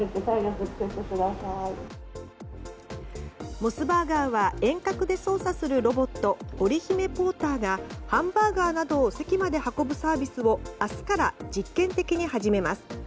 モスバーガーは遠隔で操作するロボットオリヒメポーターがハンバーガーなどを席まで運ぶサービスを明日から実験的に始めます。